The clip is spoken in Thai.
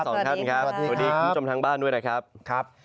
สวัสดีทุกที่จมทางบ้านด้วยครับ